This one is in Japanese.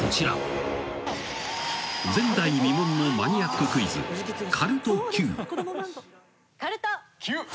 ［前代未聞のマニアッククイズ『カルトＱ』］